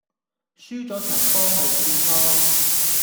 輸左場波咪算囉